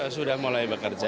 sudah mulai bekerja